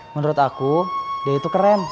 menurut aku dia itu keren